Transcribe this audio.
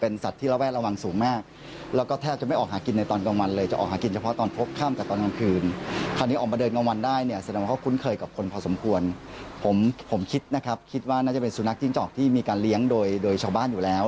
เป็นสุนัขจิ้งจอกที่มีการเลี้ยงโดยชาวบ้านอยู่แล้ว